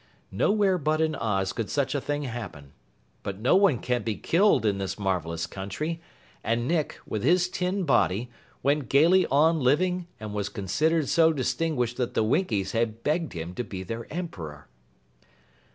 Nowhere but in Oz could such a thing happen. But no one can be killed in this marvelous country, and Nick, with his tin body, went gaily on living and was considered so distinguished that the Winkies had begged him to be their Emperor.